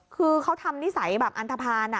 คือเขาทำนิสัยแบบอันทภาณ